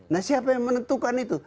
nah siapa yang menentukan itu